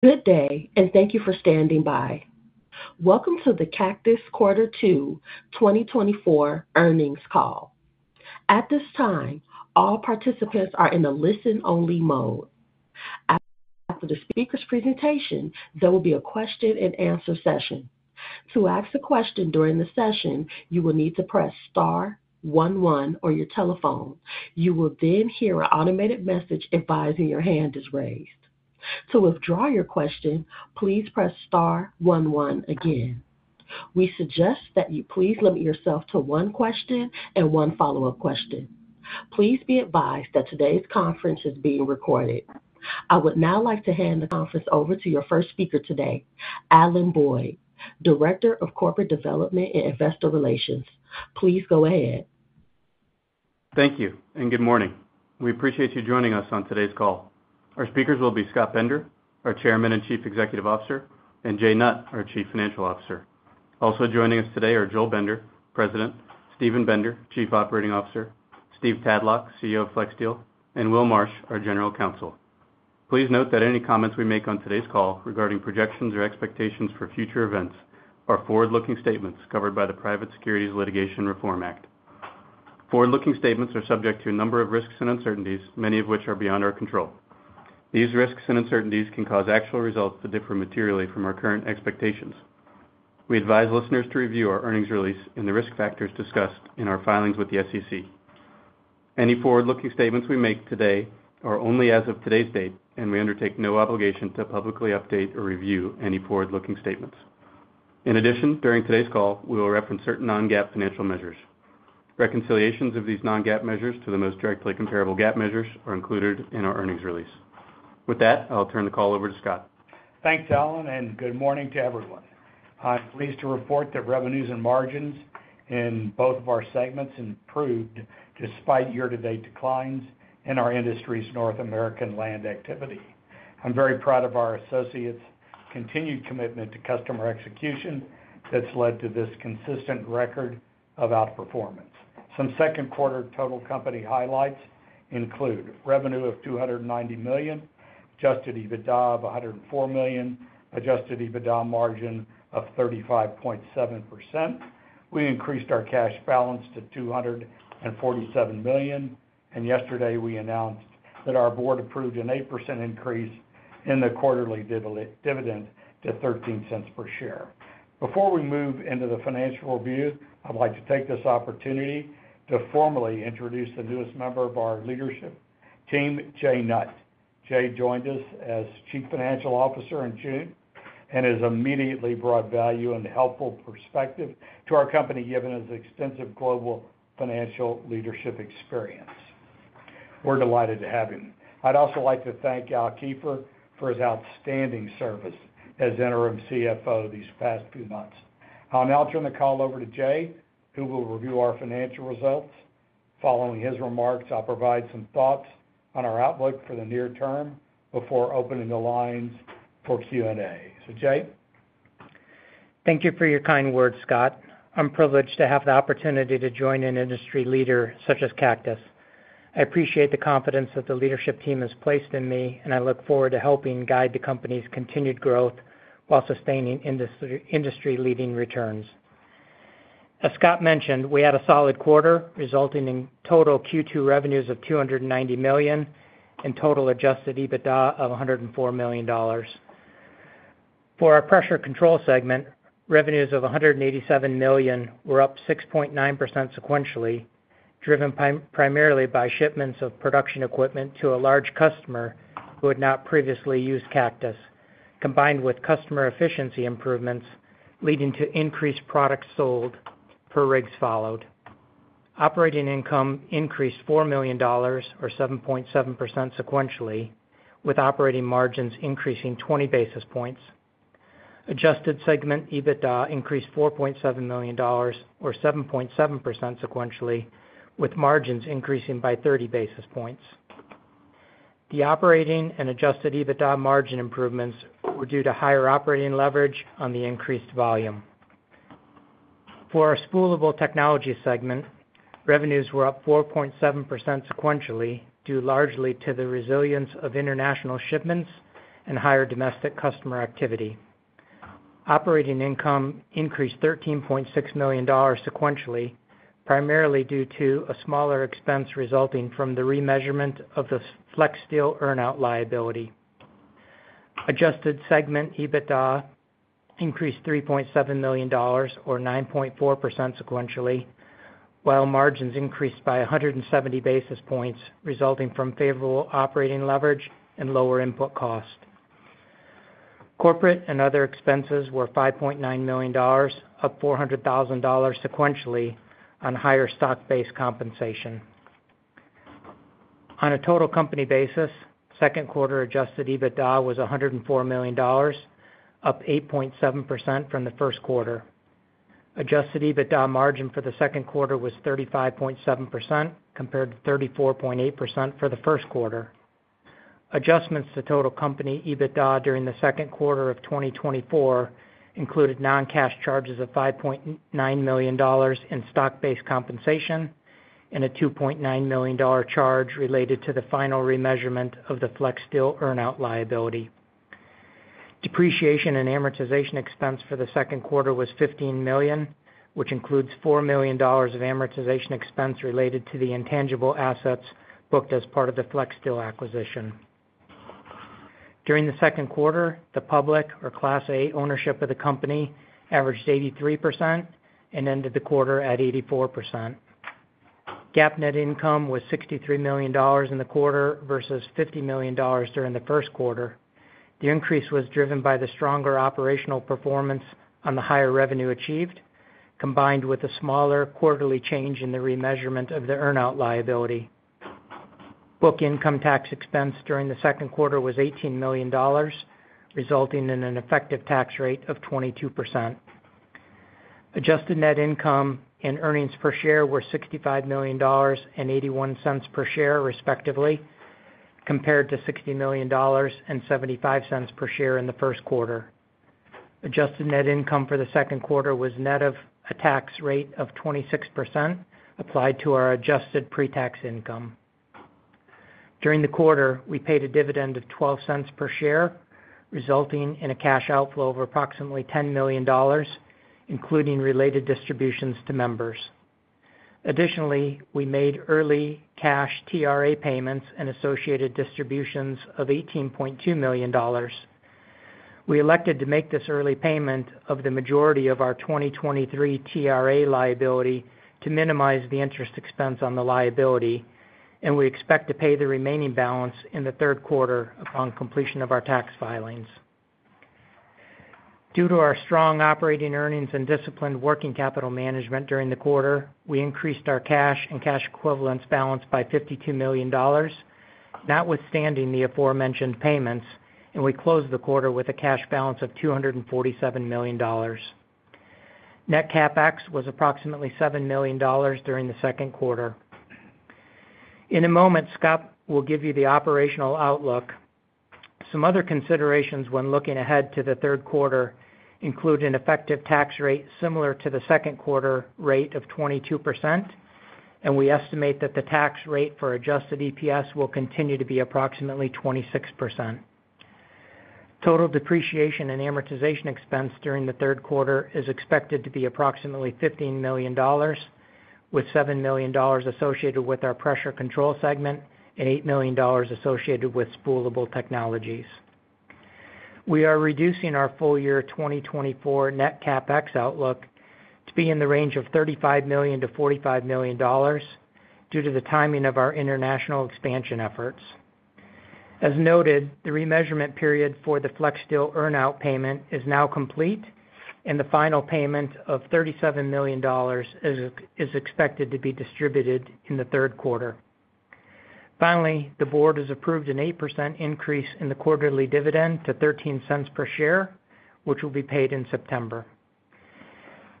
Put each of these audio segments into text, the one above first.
Good day, and thank you for standing by. Welcome to the Cactus Quarter 2 2024 earnings call. At this time, all participants are in a listen-only mode. After the speaker's presentation, there will be a question-and-answer session. To ask a question during the session, you will need to press star one one on your telephone. You will then hear an automated message advising your hand is raised. To withdraw your question, please press star one one again. We suggest that you please limit yourself to one question and one follow-up question. Please be advised that today's conference is being recorded. I would now like to hand the conference over to your first speaker today, Alan Boyd, Director of Corporate Development and Investor Relations. Please go ahead. Thank you, and good morning. We appreciate you joining us on today's call. Our speakers will be Scott Bender, our Chairman and Chief Executive Officer, and Jay Nutt, our Chief Financial Officer. Also joining us today are Joel Bender, President, Steven Bender, Chief Operating Officer, Steve Tadlock, CEO of FlexSteel, and Will Marsh, our General Counsel. Please note that any comments we make on today's call regarding projections or expectations for future events are forward-looking statements covered by the Private Securities Litigation Reform Act. Forward-looking statements are subject to a number of risks and uncertainties, many of which are beyond our control. These risks and uncertainties can cause actual results to differ materially from our current expectations. We advise listeners to review our earnings release and the risk factors discussed in our filings with the SEC.Any forward-looking statements we make today are only as of today's date, and we undertake no obligation to publicly update or review any forward-looking statements. In addition, during today's call, we will reference certain Non-GAAP financial measures. Reconciliations of these Non-GAAP measures to the most directly comparable GAAP measures are included in our earnings release. With that, I'll turn the call over to Scott. Thanks, Alan, and good morning to everyone. I'm pleased to report that revenues and margins in both of our segments improved despite year-to-date declines in our industry's North American land activity. I'm very proud of our associates' continued commitment to customer execution that's led to this consistent record of outperformance. Some second quarter total company highlights include revenue of $290 million, Adjusted EBITDA of $104 million, Adjusted EBITDA margin of 35.7%. We increased our cash balance to $247 million, and yesterday we announced that our board approved an 8% increase in the quarterly dividend to $0.13 per share. Before we move into the financial review, I'd like to take this opportunity to formally introduce the newest member of our leadership team, Jay Nutt.Jay joined us as Chief Financial Officer in June and has immediately brought value and helpful perspective to our company, given his extensive global financial leadership experience. We're delighted to have him. I'd also like to thank Al Kiefer for his outstanding service as interim CFO these past few months. I'll now turn the call over to Jay, who will review our financial results. Following his remarks, I'll provide some thoughts on our outlook for the near term before opening the lines for Q&A. So, Jay? Thank you for your kind words, Scott. I'm privileged to have the opportunity to join an industry leader such as Cactus. I appreciate the confidence that the leadership team has placed in me, and I look forward to helping guide the company's continued growth while sustaining industry, industry-leading returns. As Scott mentioned, we had a solid quarter, resulting in total Q2 revenues of $290 million and total Adjusted EBITDA of $104 million. For our Pressure Control segment, revenues of $187 million were up 6.9% sequentially, driven primarily by shipments of production equipment to a large customer who had not previously used Cactus, combined with customer efficiency improvements, leading to increased products sold per rigs followed. Operating income increased $4 million, or 7.7% sequentially, with operating margins increasing 20 basis points. Adjusted segment EBITDA increased $4.7 million or 7.7% sequentially, with margins increasing by 30 basis points. The operating and adjusted EBITDA margin improvements were due to higher operating leverage on the increased volume. For our Spoolable Technology segment, revenues were up 4.7% sequentially, due largely to the resilience of international shipments and higher domestic customer activity. Operating income increased $13.6 million sequentially, primarily due to a smaller expense resulting from the remeasurement of the FlexSteel earnout liability. Adjusted segment EBITDA increased $3.7 million or 9.4% sequentially, while margins increased by 170 basis points, resulting from favorable operating leverage and lower input cost. Corporate and other expenses were $5.9 million, up $400,000 sequentially on higher stock-based compensation. On a total company basis, second quarter adjusted EBITDA was $104 million, up 8.7% from the first quarter. Adjusted EBITDA margin for the second quarter was 35.7%, compared to 34.8% for the first quarter. Adjustments to total company EBITDA during the second quarter of 2024 included non-cash charges of $5.9 million in stock-based compensation and a $2.9 million charge related to the final remeasurement of the FlexSteel earnout liability. Depreciation and amortization expense for the second quarter was $15 million, which includes $4 million of amortization expense related to the intangible assets booked as part of the FlexSteel acquisition. During the second quarter, the public, or Class A, ownership of the company averaged 83% and ended the quarter at 84%. GAAP net income was $63 million in the quarter versus $50 million during the first quarter. The increase was driven by the stronger operational performance on the higher revenue achieved, combined with a smaller quarterly change in the remeasurement of the earn-out liability. Book income tax expense during the second quarter was $18 million, resulting in an effective tax rate of 22%. Adjusted net income and earnings per share were $65 million and $0.81 per share, respectively, compared to $60 million and $0.75 per share in the first quarter. Adjusted net income for the second quarter was net of a tax rate of 26%, applied to our adjusted pre-tax income. During the quarter, we paid a dividend of $0.12 per share, resulting in a cash outflow of approximately $10 million, including related distributions to members. Additionally, we made early cash TRA payments and associated distributions of $18.2 million. We elected to make this early payment of the majority of our 2023 TRA liability to minimize the interest expense on the liability, and we expect to pay the remaining balance in the third quarter upon completion of our tax filings. Due to our strong operating earnings and disciplined working capital management during the quarter, we increased our cash and cash equivalents balance by $52 million, notwithstanding the aforementioned payments, and we closed the quarter with a cash balance of $247 million. Net CapEx was approximately $7 million during the second quarter. In a moment, Scott will give you the operational outlook. Some other considerations when looking ahead to the third quarter include an effective tax rate similar to the second quarter rate of 22%, and we estimate that the tax rate for adjusted EPS will continue to be approximately 26%. Total depreciation and amortization expense during the third quarter is expected to be approximately $15 million, with $7 million associated with our Pressure Control segment and $8 million associated with Spoolable Technologies. We are reducing our full year 2024 net CapEx outlook to be in the range of $35 million-$45 million due to the timing of our international expansion efforts. As noted, the remeasurement period for the FlexSteel earnout payment is now complete, and the final payment of $37 million is expected to be distributed in the third quarter. Finally, the board has approved an 8% increase in the quarterly dividend to $0.13 per share, which will be paid in September.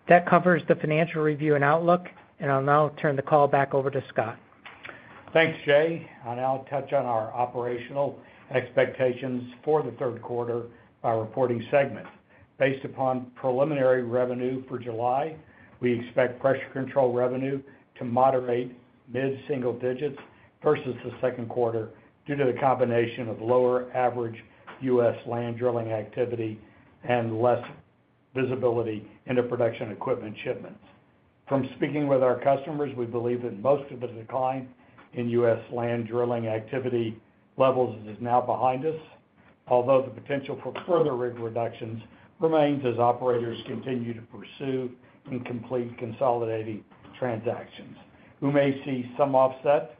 That covers the financial review and outlook, and I'll now turn the call back over to Scott. Thanks, Jay. I'll now touch on our operational expectations for the third quarter by reporting segment. Based upon preliminary revenue for July, we expect Pressure Control revenue to moderate mid-single digits versus the second quarter due to the combination of lower average US land drilling activity and less visibility into production equipment shipments. From speaking with our customers, we believe that most of the decline in US land drilling activity levels is now behind us, although the potential for further rig reductions remains as operators continue to pursue and complete consolidating transactions. We may see some offset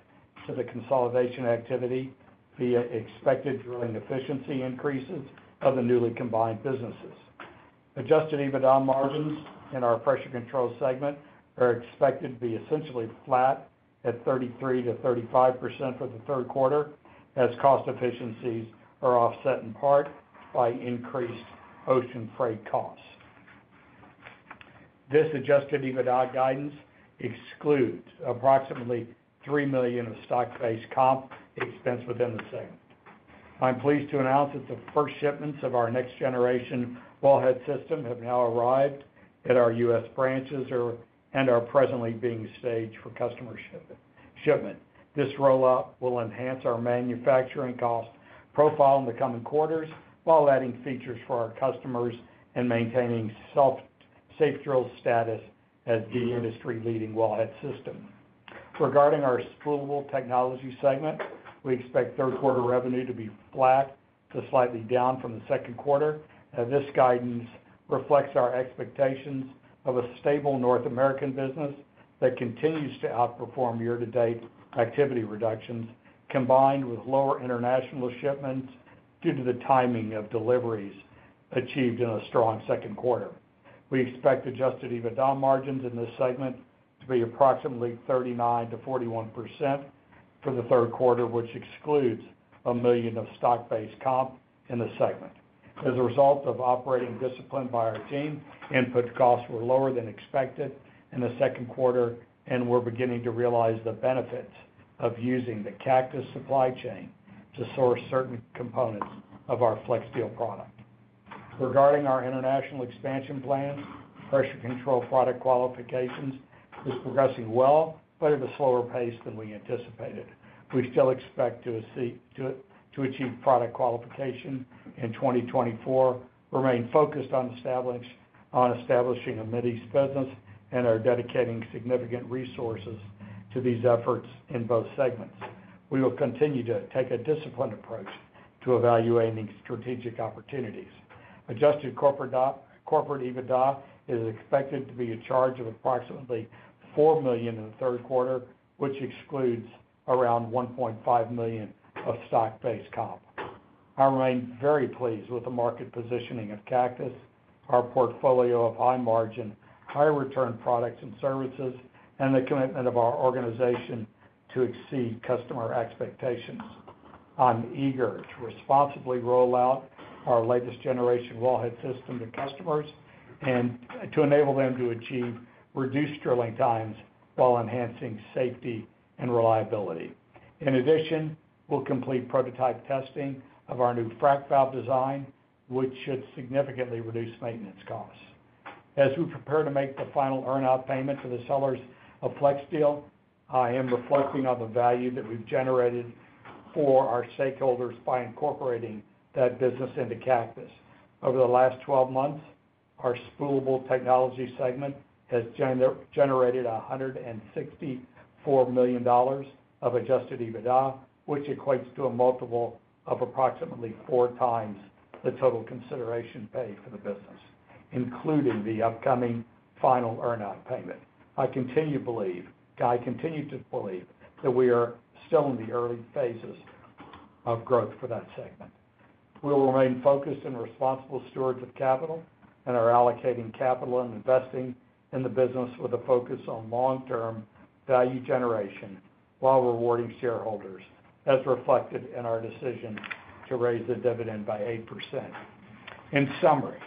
to the consolidation activity via expected drilling efficiency increases of the newly combined businesses. Adjusted EBITDA margins in our Pressure Control segment are expected to be essentially flat at 33%-35% for the third quarter, as cost efficiencies are offset in part by increased ocean freight costs. This adjusted EBITDA guidance excludes approximately $3 million of stock-based comp expense within the segment. I'm pleased to announce that the first shipments of our next generation wellhead system have now arrived at our US branches and are presently being staged for customer shipment. This rollout will enhance our manufacturing cost profile in the coming quarters, while adding features for our customers and maintaining SafeDrill status as the industry-leading wellhead system. Regarding our Spoolable Technology segment, we expect third quarter revenue to be flat to slightly down from the second quarter, and this guidance reflects our expectations of a stable North American business that continues to outperform year-to-date activity reductions, combined with lower international shipments due to the timing of deliveries achieved in a strong second quarter. We expect Adjusted EBITDA margins in this segment to be approximately 39%-41% for the third quarter, which excludes $1 million of stock-based comp in the segment. As a result of operating discipline by our team, input costs were lower than expected in the second quarter, and we're beginning to realize the benefits of using the Cactus supply chain to source certain components of our FlexSteel product. Regarding our international expansion plans, Pressure Control product qualifications is progressing well, but at a slower pace than we anticipated. We still expect to achieve product qualification in 2024, remain focused on establishing a Middle East business, and are dedicating significant resources to these efforts in both segments. We will continue to take a disciplined approach to evaluating strategic opportunities. Adjusted corporate EBITDA is expected to be a charge of approximately $4 million in the third quarter, which excludes around $1.5 million of stock-based comp. I remain very pleased with the market positioning of Cactus, our portfolio of high margin, high return products and services, and the commitment of our organization to exceed customer expectations. I'm eager to responsibly roll out our latest generation wellhead system to customers and to enable them to achieve reduced drilling times while enhancing safety and reliability. In addition, we'll complete prototype testing of our new frac valve design, which should significantly reduce maintenance costs. As we prepare to make the final earn-out payment to the sellers of FlexSteel, I am reflecting on the value that we've generated for our stakeholders by incorporating that business into Cactus. Over the last 12 months, our Spoolable Technology segment has generated $164 million of adjusted EBITDA, which equates to a multiple of approximately 4x the total consideration paid for the business, including the upcoming final earnout payment. I continue to believe that we are still in the early phases of growth for that segment. We will remain focused and responsible stewards of capital, and are allocating capital and investing in the business with a focus on long-term value generation, while rewarding shareholders, as reflected in our decision to raise the dividend by 8%. In summary,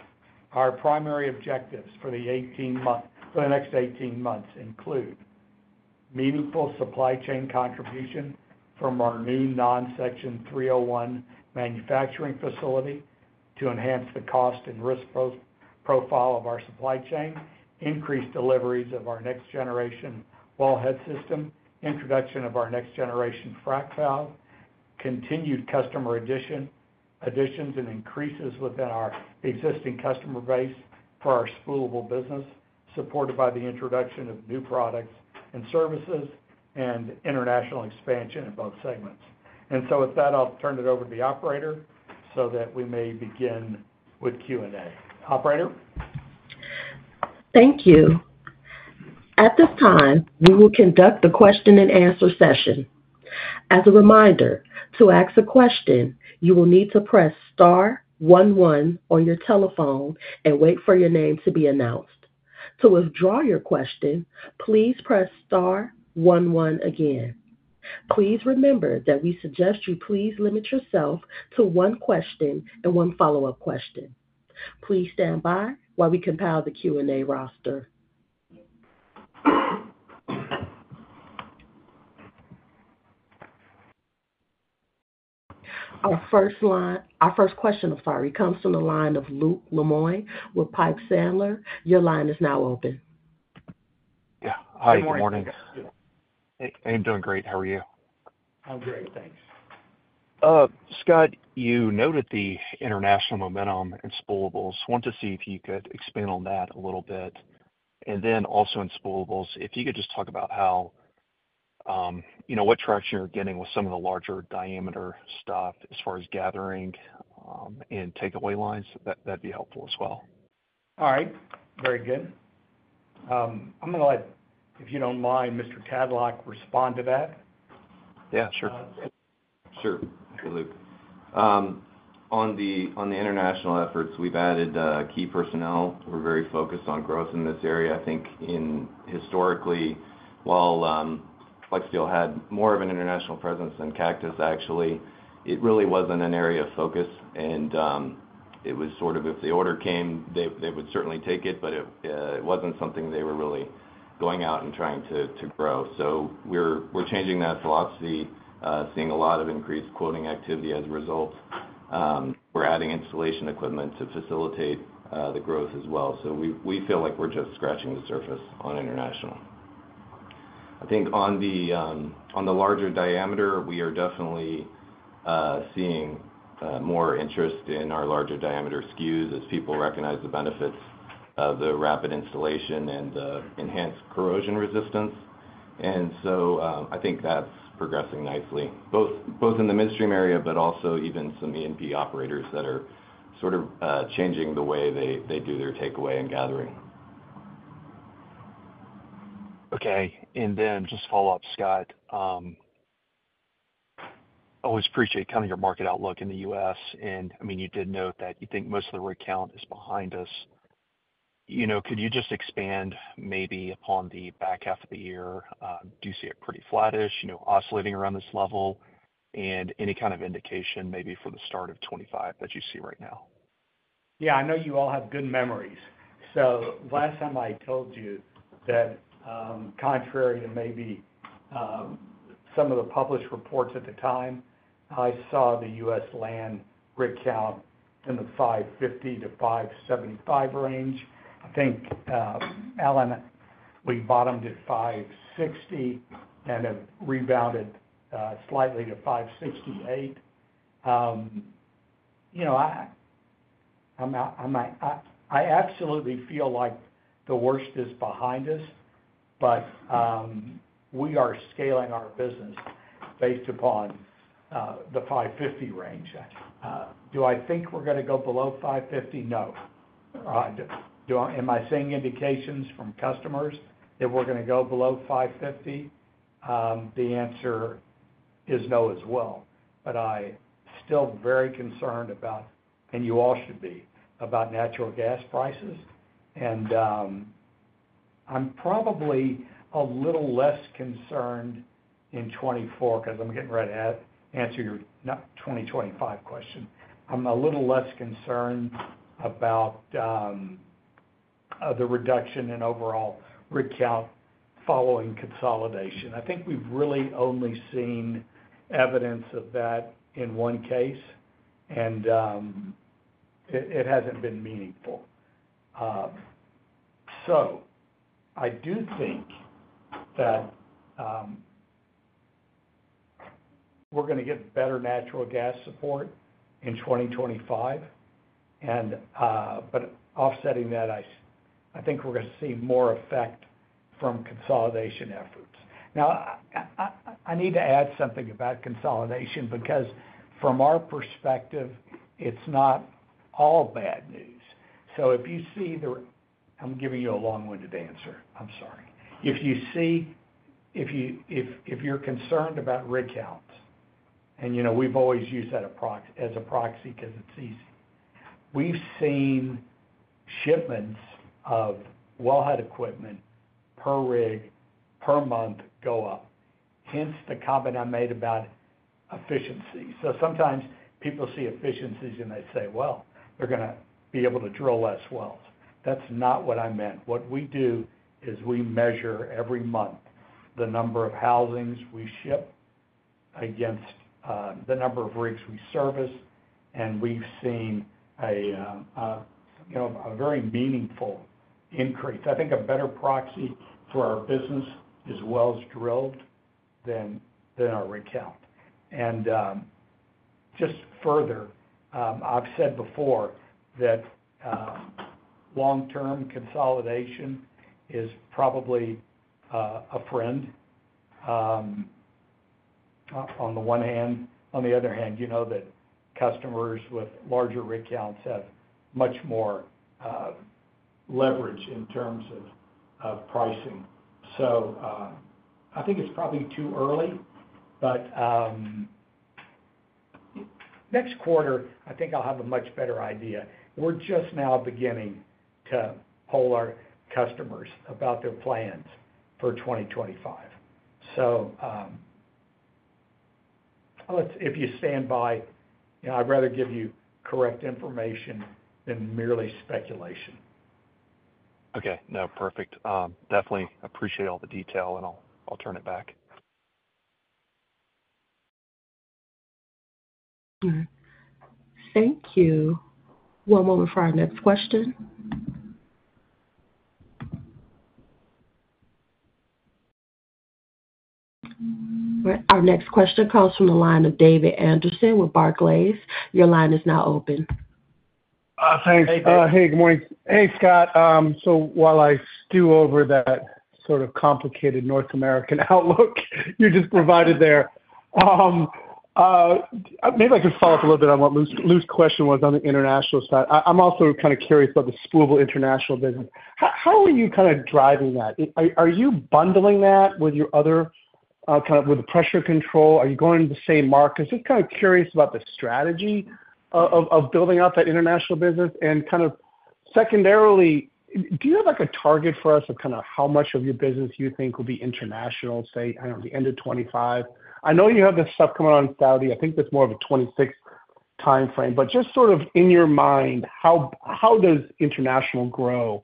our primary objectives for the next 18 months include: meaningful supply chain contribution from our new non-Section 301 manufacturing facility to enhance the cost and risk profile of our supply chain, increased deliveries of our next-generation wellhead system, introduction of our next-generation frac valve, continued customer additions and increases within our existing customer base for our spoolable business, supported by the introduction of new products and services and international expansion in both segments. So with that, I'll turn it over to the operator, so that we may begin with Q&A. Operator? Thank you. At this time, we will conduct the question-and-answer session. As a reminder, to ask a question, you will need to press star one one on your telephone and wait for your name to be announced. To withdraw your question, please press star one one again. Please remember that we suggest you please limit yourself to one question and one follow-up question. Please stand by while we compile the Q&A roster. Our first question, sorry, comes from the line of Luke Lemoine with Piper Sandler. Your line is now open. Yeah. Hi, good morning. Good morning. I'm doing great. How are you? I'm great, thanks. Scott, you noted the international momentum in spoolables. Want to see if you could expand on that a little bit. And then also in spoolables, if you could just talk about how, you know, what traction you're getting with some of the larger diameter stuff as far as gathering, and take away lines, that'd be helpful as well. All right. Very good. I'm gonna let, if you don't mind, Mr. Tadlock, respond to that. Yeah, sure. Sure. Hey, Luke. On the international efforts, we've added key personnel. We're very focused on growth in this area. I think historically, while FlexSteel had more of an international presence than Cactus, actually, it really wasn't an area of focus. It was sort of if the order came, they would certainly take it, but it wasn't something they were really going out and trying to grow. So we're changing that philosophy, seeing a lot of increased quoting activity as a result. We're adding installation equipment to facilitate the growth as well. So we feel like we're just scratching the surface on international. I think on the larger diameter, we are definitely seeing more interest in our larger diameter SKUs as people recognize the benefits of the rapid installation and enhanced corrosion resistance. And so, I think that's progressing nicely, both in the midstream area, but also even some E&P operators that are sort of changing the way they do their takeaway and gathering. Okay. Then just to follow up, Scott, always appreciate kind of your market outlook in the U.S. And I mean, you did note that you think most of the rig count is behind us. You know, could you just expand maybe upon the back half of the year? Do you see it pretty flattish, you know, oscillating around this level? And any kind of indication, maybe for the start of 2025 that you see right now? Yeah, I know you all have good memories. So last time I told you that, contrary to maybe some of the published reports at the time, I saw the US land rig count in the 550-575 range. I think, Alan, we bottomed at 560 and have rebounded slightly to 568. You know, I, I'm, I'm, I, I absolutely feel like the worst is behind us, but we are scaling our business based upon the 550 range. Do I think we're gonna go below 550? No. Am I seeing indications from customers that we're gonna go below 550? The answer is no as well. But I still very concerned about, and you all should be, about natural gas prices. I'm probably a little less concerned in 2024, 'cause I'm getting ready to answer your 2025 question. I'm a little less concerned about the reduction in overall rig count following consolidation. I think we've really only seen evidence of that in one case, and it hasn't been meaningful. So I do think that we're gonna get better natural gas support in 2025, and but offsetting that, I think we're gonna see more effect from consolidation efforts. Now, I need to add something about consolidation, because from our perspective, it's not all bad news. So if you see the... I'm giving you a long-winded answer. I'm sorry. If you see, if you're concerned about rig counts, and you know, we've always used that as a proxy, 'cause it's easy. We've seen shipments of wellhead equipment per rig, per month, go up, hence the comment I made about efficiency. So sometimes people see efficiencies, and they say, "Well, they're gonna be able to drill less wells." That's not what I meant. What we do is we measure every month, the number of housings we ship against, the number of rigs we service, and we've seen a, you know, a very meaningful increase. I think a better proxy for our business is wells drilled than, than our rig count. And, just further, I've said before that, long-term consolidation is probably, a friend, on, on the one hand. On the other hand, you know that customers with larger rig counts have much more, leverage in terms of, of pricing. So, I think it's probably too early, but next quarter, I think I'll have a much better idea. We're just now beginning to poll our customers about their plans for 2025. So, if you stand by, you know, I'd rather give you correct information than merely speculation. Okay. No, perfect. Definitely appreciate all the detail, and I'll, I'll turn it back. Thank you. One moment for our next question. Our next question comes from the line of David Anderson with Barclays. Your line is now open. Uh, thanks. Hey, David. Hey, good morning. Hey, Scott. So while I stew over that sort of complicated North American outlook you just provided there, maybe I can follow up a little bit on what Luke's question was on the international side. I'm also kind of curious about the spoolable international business. How are you kind of driving that? Are you bundling that with your other kind of with the pressure control? Are you going to the same market? Just kind of curious about the strategy of building out that international business. And kind of secondarily, do you have, like, a target for us of kind of how much of your business you think will be international, say, I don't know, the end of 2025? I know you have this stuff coming out in Saudi.I think that's more of a 2026 timeframe, but just sort of in your mind, how does international grow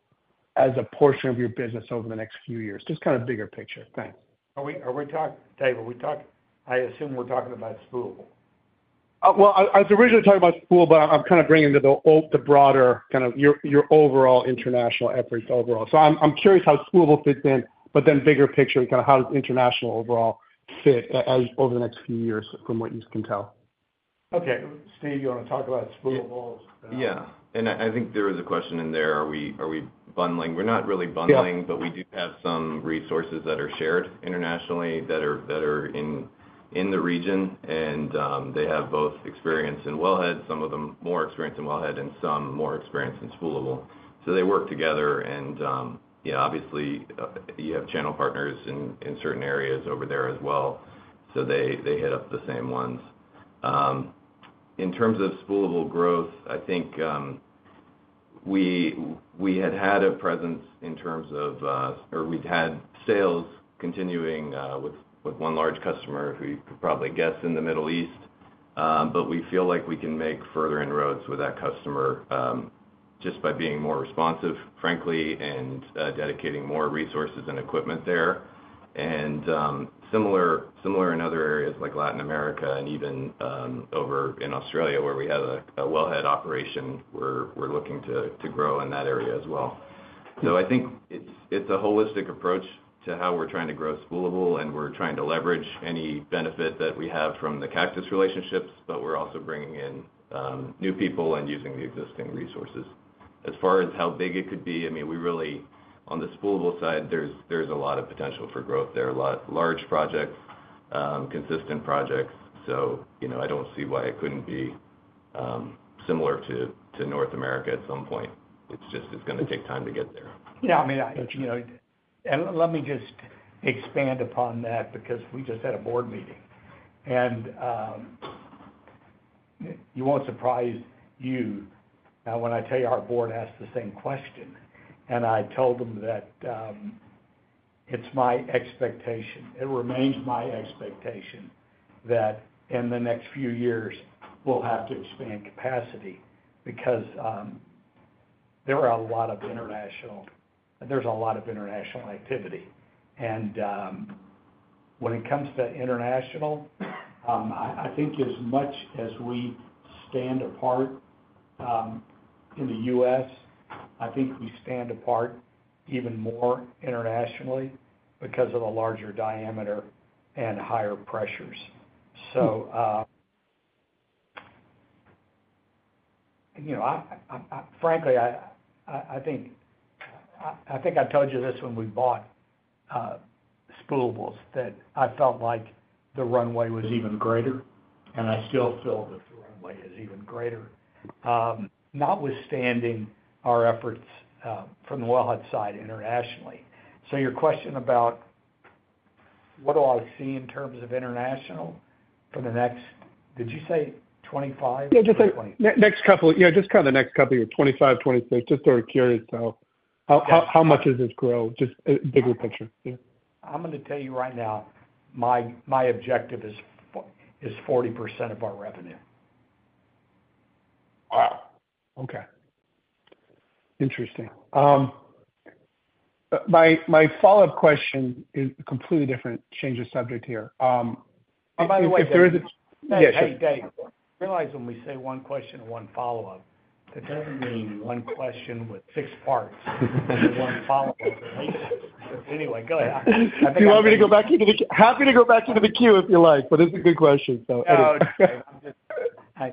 as a portion of your business over the next few years? Just kind of bigger picture. Thanks. Are we talking, David? I assume we're talking about spoolable. Well, I was originally talking about spool, but I'm kind of bringing to the broader, kind of your overall international efforts overall. So I'm curious how spoolable fits in, but then bigger picture, kind of how does international overall fit over the next few years from what yous can tell? Okay, Steve, you wanna talk about spoolable? Yeah, and I think there was a question in there, are we bundling? We're not really bundling- Yeah But we do have some resources that are shared internationally, that are in the region, and they have both experience in wellhead, some of them more experienced in wellhead, and some more experienced in spoolable. So they work together and, yeah, obviously, you have channel partners in certain areas over there as well, so they hit up the same ones. In terms of spoolable growth, I think we had had a presence in terms of, or we've had sales continuing with one large customer who you could probably guess in the Middle East. But we feel like we can make further inroads with that customer just by being more responsive, frankly, and dedicating more resources and equipment there. Similar in other areas like Latin America and even over in Australia, where we have a wellhead operation, we're looking to grow in that area as well. So I think it's a holistic approach to how we're trying to grow spoolable, and we're trying to leverage any benefit that we have from the Cactus relationships, but we're also bringing in new people and using the existing resources. As far as how big it could be, I mean, we really, on the spoolable side, there's a lot of potential for growth there, a lot, large projects, consistent projects. So, you know, I don't see why it couldn't be similar to North America at some point. It's just gonna take time to get there. Yeah, I mean, I, you know. And let me just expand upon that because we just had a board meeting. And, it won't surprise you, when I tell you our board asked the same question, and I told them that, it's my expectation, it remains my expectation that in the next few years, we'll have to expand capacity because, there are a lot of international-- there's a lot of international activity. And, when it comes to international, I, I think as much as we stand apart, in the U.S., I think we stand apart even more internationally because of the larger diameter and higher pressures. So, you know, I frankly think I told you this when we bought spoolables, that I felt like the runway was even greater, and I still feel that the runway is even greater, notwithstanding our efforts from the wellhead side internationally. So your question about what do I see in terms of international for the next, did you say 2025? Yeah, just like- 20. Next couple, yeah, just kind of the next couple years, 2025, 2026. Just sort of curious how, how, how much does this grow? Just a bigger picture. Yeah. I'm gonna tell you right now, my objective is 40% of our revenue. Wow! Okay. Interesting. My follow-up question is completely different, change of subject here. If there is- By the way, Dave. Yes. Hey, Dave, realize when we say one question and one follow-up, that doesn't mean one question with six parts and one follow-up at least. Anyway, go ahead. Do you want me to go back into the queue? Happy to go back into the queue if you like, but it's a good question, so anyway. No, it's okay. I'm just... I,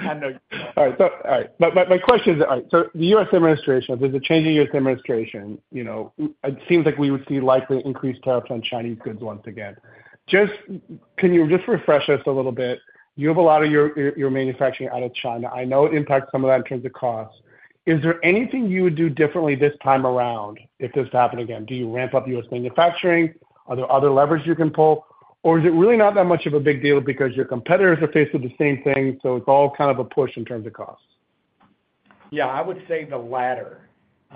I know. All right. So, my question is, so the US administration, there's a change in US administration, you know, it seems like we would see likely increased tariffs on Chinese goods once again. Just, can you just refresh us a little bit? You have a lot of your manufacturing out of China. I know it impacts some of that in terms of costs. Is there anything you would do differently this time around if this happened again? Do you ramp up US manufacturing? Are there other levers you can pull, or is it really not that much of a big deal because your competitors are faced with the same thing, so it's all kind of a push in terms of costs? Yeah, I would say the latter.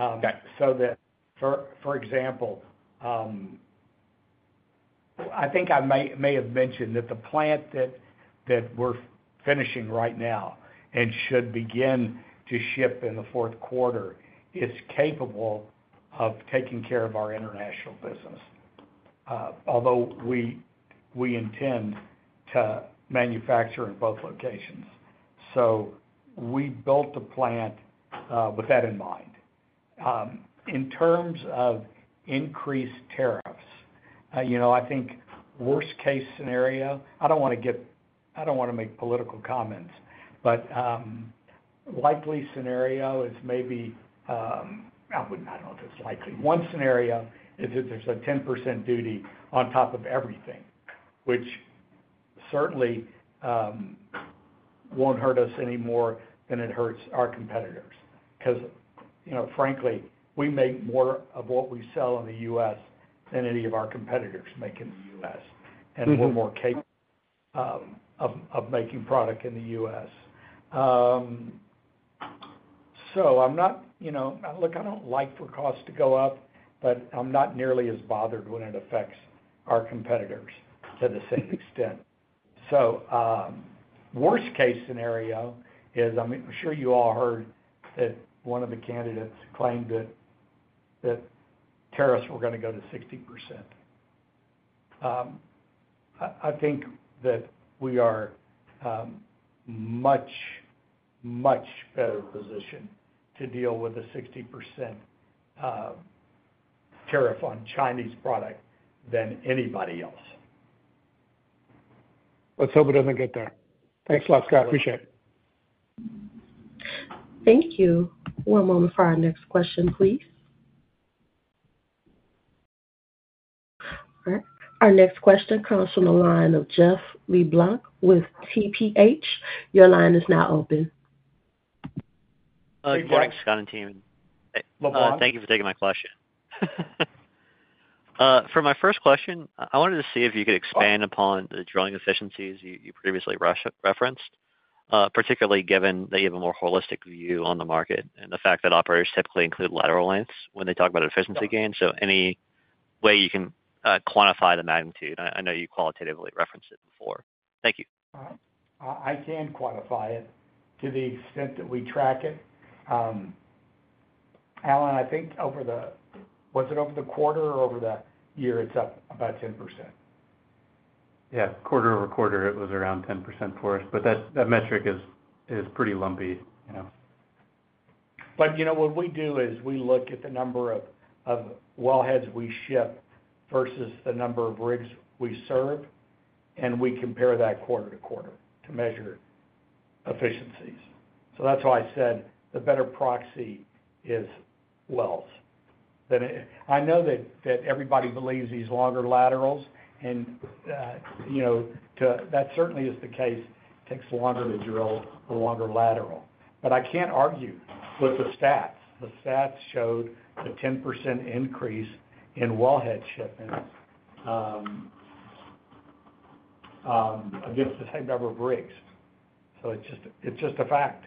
Okay. So that, for example, I think I may have mentioned that the plant that we're finishing right now and should begin to ship in the fourth quarter is capable of taking care of our international business, although we intend to manufacture in both locations. So we built the plant with that in mind. In terms of increased tariffs, you know, I think worst case scenario, I don't wanna get-- I don't wanna make political comments, but likely scenario is maybe I would-- I don't know if it's likely. One scenario is if there's a 10% duty on top of everything, which certainly won't hurt us any more than it hurts our competitors. Because, you know, frankly, we make more of what we sell in the U.S. than any of our competitors make in the U.S., and we're more capable of making product in the U.S. So I'm not, you know... Look, I don't like for costs to go up, but I'm not nearly as bothered when it affects our competitors to the same extent. So worst case scenario is, I mean, I'm sure you all heard that one of the candidates claimed that tariffs were gonna go to 60%. I think that we are much, much better positioned to deal with a 60% tariff on Chinese product than anybody else. Let's hope it doesn't get there. Thanks a lot, Scott. Appreciate it. Thank you. One moment for our next question, please. All right, our next question comes from the line of Jeff LeBlanc with TPH. Your line is now open. Good morning, Scott and team. LeBlanc. Thank you for taking my question. For my first question, I wanted to see if you could expand upon the drilling efficiencies you previously referenced, particularly given that you have a more holistic view on the market and the fact that operators typically include lateral lengths when they talk about efficiency gains. So any way you can quantify the magnitude? I know you qualitatively referenced it before. Thank you. I can quantify it to the extent that we track it. Alan, I think over the—was it over the quarter or over the year, it's up about 10%. Yeah, quarter-over-quarter, it was around 10% for us, but that metric is pretty lumpy, you know. But, you know, what we do is we look at the number of wellheads we ship versus the number of rigs we serve, and we compare that quarter-over-quarter to measure efficiencies. So that's why I said the better proxy is wells. Then, I know that everybody believes these longer laterals, and, you know, too, that certainly is the case, takes longer to drill a longer lateral. But I can't argue with the stats. The stats showed a 10% increase in wellhead shipments, against the same number of rigs. So it's just, it's just a fact.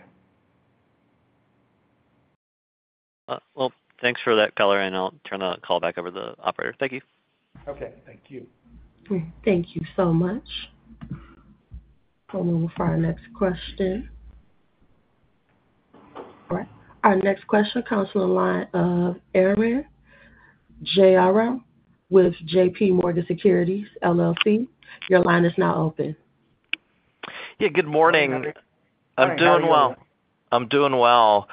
Well, thanks for that color, and I'll turn the call back over to the operator. Thank you. Okay, thank you. Thank you so much. We'll move for our next question. All right, our next question comes from the line of Arun Jayaram with J.P. Morgan Securities LLC. Your line is now open. Yeah, good morning. Hi, how are you? I'm doing well. I'm doing well.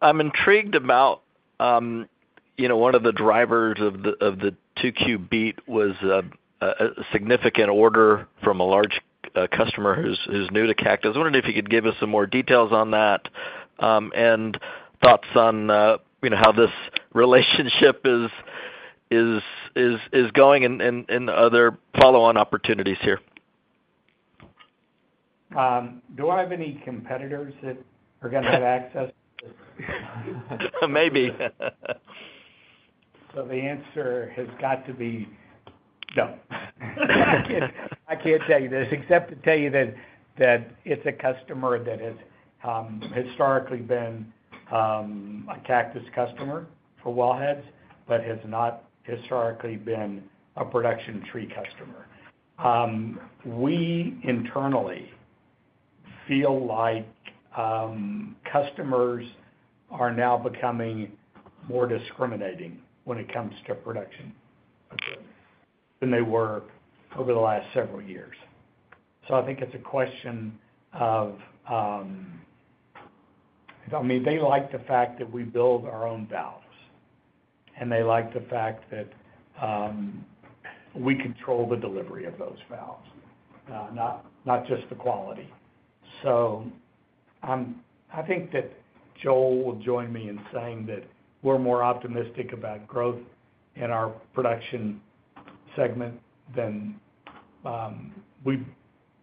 I'm intrigued about, you know, one of the drivers of the 2Q beat was a significant order from a large customer who's new to Cactus. I was wondering if you could give us some more details on that, and thoughts on, you know, how this relationship is going and other follow-on opportunities here. Do I have any competitors that are gonna have access to? Maybe. So the answer has got to be no. I can't, I can't tell you this except to tell you that, that it's a customer that has, historically been, a Cactus customer for wellheads, but has not historically been a production tree customer. We internally feel like, customers are now becoming more discriminating when it comes to production than they were over the last several years. So I think it's a question of, I mean, they like the fact that we build our own valves, and they like the fact that, we control the delivery of those valves, not, not just the quality. So, I think that Joel will join me in saying that we're more optimistic about growth in our production segment than, we've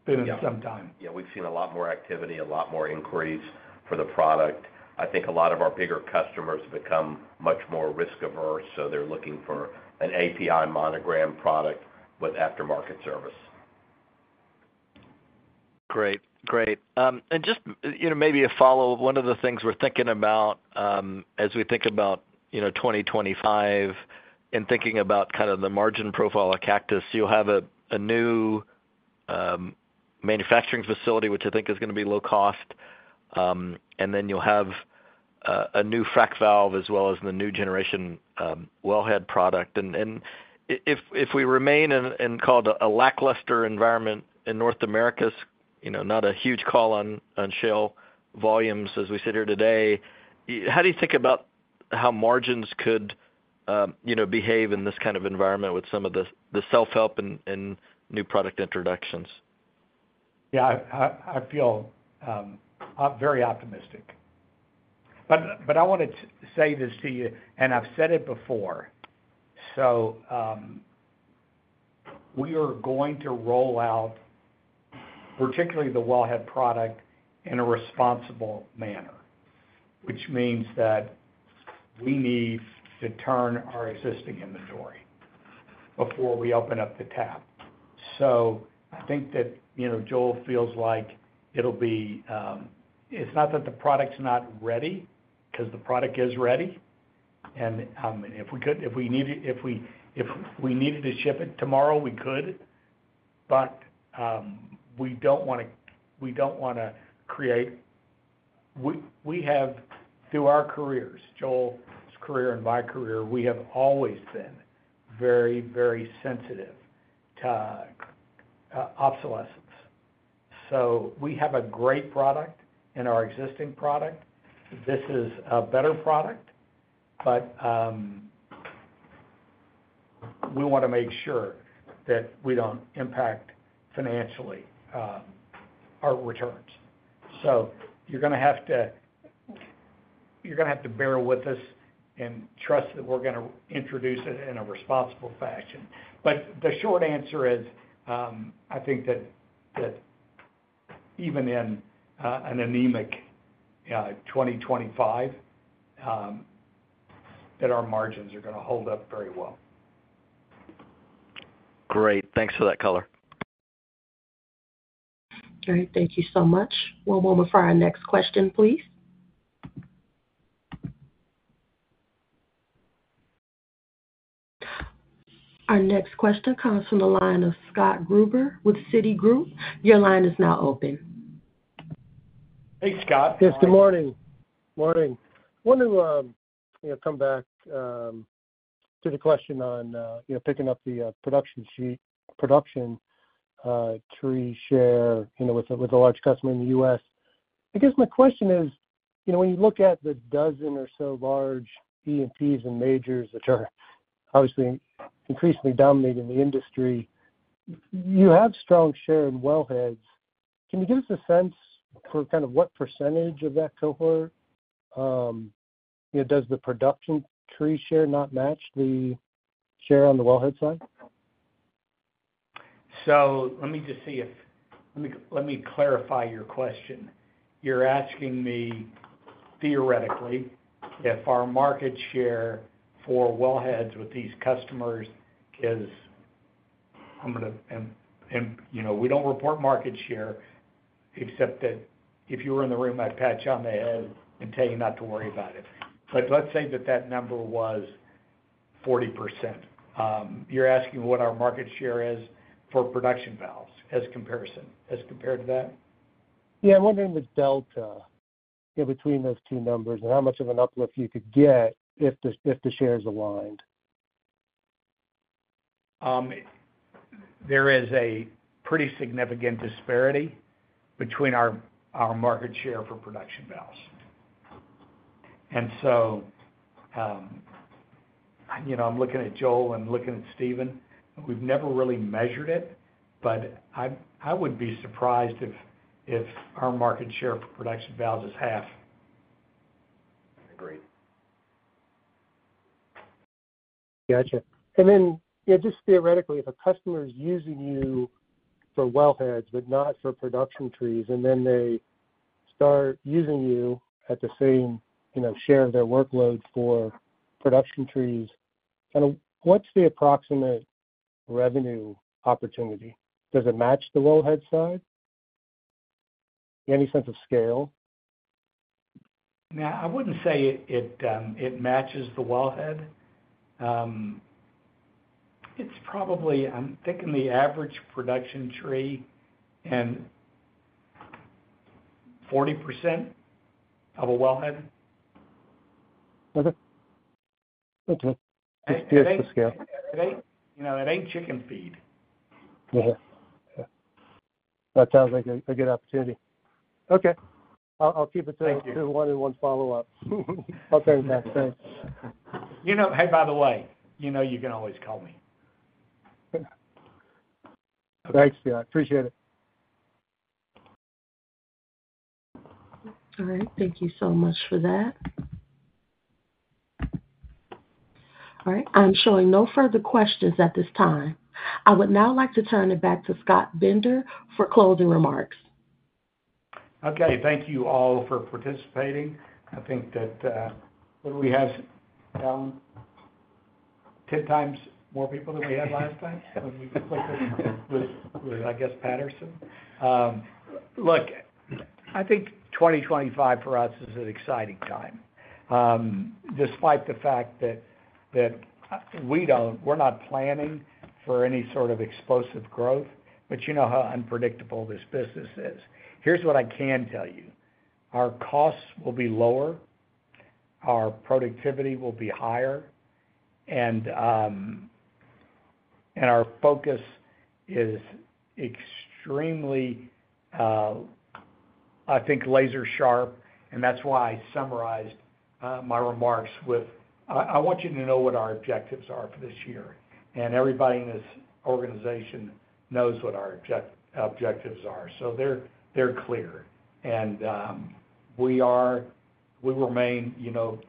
been in some time. Yeah. Yeah, we've seen a lot more activity, a lot more inquiries for the product. I think a lot of our bigger customers become much more risk averse, so they're looking for an API Monogram product with aftermarket service. Great. Great. And just, you know, maybe a follow-up. One of the things we're thinking about, as we think about, you know, 2025 and thinking about kind of the margin profile of Cactus, you'll have a new manufacturing facility, which I think is gonna be low cost, and then you'll have a new frac valve as well as the new generation wellhead product. And if we remain in what we call a lackluster environment in North America, you know, not a huge call on shale volumes as we sit here today, how do you think about how margins could, you know, behave in this kind of environment with some of the self-help and new product introductions? Yeah, I feel very optimistic. But I wanted to say this to you, and I've said it before. So we are going to roll out, particularly the wellhead product, in a responsible manner, which means that we need to turn our existing inventory before we open up the tab. So I think that, you know, Joel feels like it'll be. It's not that the product's not ready, 'cause the product is ready. And if we needed to ship it tomorrow, we could, but we don't wanna create. We have, through our careers, Joel's career and my career, we have always been very, very sensitive to obsolescence. So we have a great product in our existing product. This is a better product, but we wanna make sure that we don't impact financially our returns. So you're gonna have to, you're gonna have to bear with us and trust that we're gonna introduce it in a responsible fashion. But the short answer is, I think that even in an anemic 2025, that our margins are gonna hold up very well. Great. Thanks for that color.... All right, thank you so much. One moment for our next question, please. Our next question comes from the line of Scott Gruber with Citigroup. Your line is now open. Hey, Scott. Yes, good morning. Morning. Wanted to, you know, come back to the question on, you know, picking up the production tree share, you know, with a large customer in the U.S. I guess my question is, you know, when you look at the dozen or so large E&Ps and majors, which are obviously increasingly dominating the industry, you have strong share in wellheads. Can you give us a sense for kind of what percentage of that cohort? You know, does the production tree share not match the share on the wellhead side? Let me, let me clarify your question. You're asking me, theoretically, if our market share for wellheads with these customers is, I'm gonna, you know, we don't report market share, except that if you were in the room, I'd pat you on the head and tell you not to worry about it. But let's say that that number was 40%. You're asking what our market share is for production valves as comparison, as compared to that? Yeah, I'm wondering the delta between those two numbers and how much of an uplift you could get if the share is aligned. There is a pretty significant disparity between our market share for production valves. And so, you know, I'm looking at Joel, I'm looking at Steven. We've never really measured it, but I would be surprised if our market share for production valves is half. I agree. Gotcha. And then, yeah, just theoretically, if a customer is using you for wellheads, but not for production trees, and then they start using you at the same, you know, share of their workload for production trees, kind of what's the approximate revenue opportunity? Does it match the wellhead side? Any sense of scale? Now, I wouldn't say it matches the wellhead. It's probably, I'm thinking the average production tree and 40% of a wellhead. Okay. Okay. It's, it's- Just the scale. It ain't, you know, it ain't chicken feed. Yeah. That sounds like a good opportunity. Okay. I'll keep it to- Thank you. One and one follow-up. Okay, thanks. You know... Hey, by the way, you know you can always call me. Thanks, yeah. I appreciate it. All right. Thank you so much for that. All right, I'm showing no further questions at this time. I would now like to turn it back to Scott Bender for closing remarks. Okay, thank you all for participating. I think that what do we have 10x more people than we had last time? When we completed with, I guess, Patterson. Look, I think 2025 for us is an exciting time. Despite the fact that we don't, we're not planning for any sort of explosive growth, but you know how unpredictable this business is. Here's what I can tell you: Our costs will be lower, our productivity will be higher, and and our focus is extremely, I think, laser sharp, and that's why I summarized my remarks with, I want you to know what our objectives are for this year, and everybody in this organization knows what our objectives are. So they're clear. We remain, you know,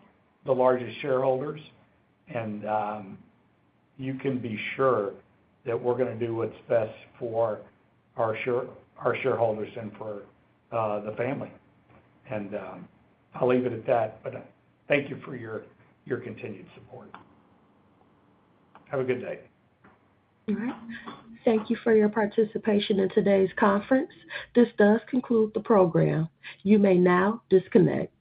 the largest shareholders, and you can be sure that we're gonna do what's best for our shareholders and for the family. I'll leave it at that, but thank you for your continued support. Have a good day. All right. Thank you for your participation in today's conference. This does conclude the program. You may now disconnect.